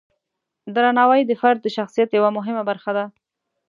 درناوی د فرد د شخصیت یوه مهمه برخه ده.